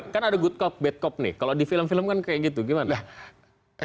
kan ada good cop bad cop nih kalau di film film kan kayak gitu gimana